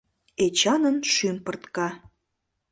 Эчанын шӱм пыртка.